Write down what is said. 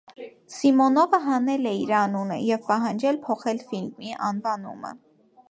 Սիմոնովը հանել է իր անունը և պահանջել փոխել ֆիլմի անվանումը։